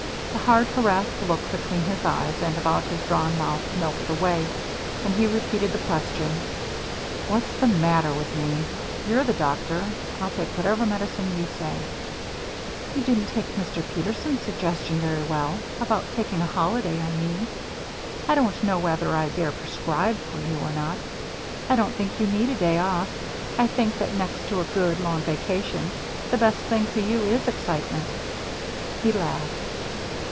The hard, harassed look between his eyes and about his drawn mouth melted away, and he repeated the question: "What's the matter with me? You're the doctor. I'll take whatever medicine you say." "You didn't take Mr. Peterson's suggestion very well about taking a holiday, I mean. I don't know whether I dare prescribe for you or not. I don't think you need a day off. I think that, next to a good, long vacation, the best thing for you is excitement." He laughed.